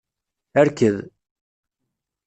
Rked!